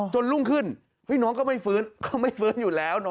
รุ่งขึ้นน้องก็ไม่ฟื้นก็ไม่ฟื้นอยู่แล้ว